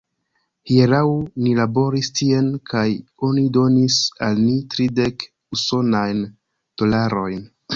Hieraŭ ni laboris tien kaj oni donis al ni tridek usonajn dolarojn.